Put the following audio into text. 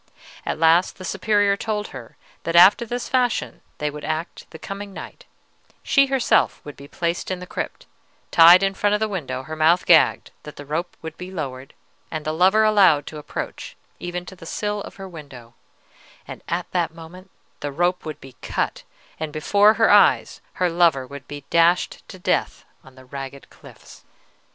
At last the Superior told her that after this fashion would they act the coming night: she herself would be placed in the crypt, tied in front of the window, her mouth gagged; that the rope would be lowered, and the lover allowed to approach even to the sill of her window, and at that moment the rope would be cut, and before her eyes her lover would be dashed to death on the ragged cliffs.